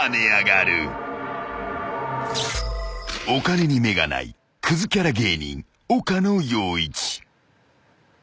［お金に目がないくずキャラ芸人岡野陽一］